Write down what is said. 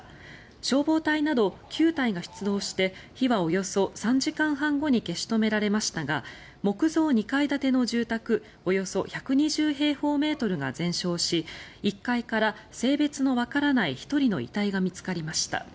消防隊など９隊が出動して火はおよそ３時間半後に消し止められましたが木造２階建ての住宅およそ１２０平方メートルが全焼し１階から性別のわからない１人の遺体が見つかりました。